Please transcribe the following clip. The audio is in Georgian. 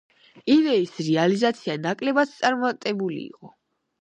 იდეის რეალიზაცია ნაკლებად წარმატებული იყო.